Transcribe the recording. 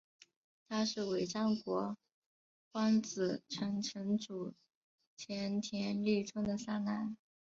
他是尾张国荒子城城主前田利春的三男。